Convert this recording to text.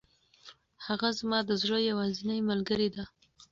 هغه زما د زړه یوازینۍ ملګرې ده.